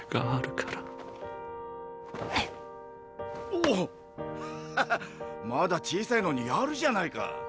ハハッまだ小さいのにやるじゃないか！